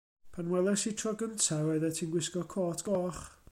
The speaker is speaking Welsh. Pan weles i ti tro cynta' roeddet ti'n gwisgo cot goch.